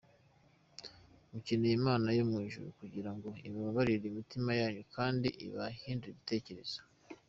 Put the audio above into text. Mukeneye Imana yo mu ijuru kugirango ibabarire imitima yanyu kandi ibahindure ibitekerezo!